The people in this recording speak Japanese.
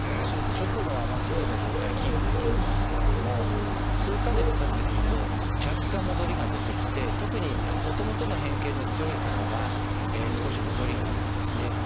手術直後はまっすぐの状態キープできるんですけれども数か月たってくると若干戻りが出てきて特にもともとの変形の強い方は少し戻りがあるんですね。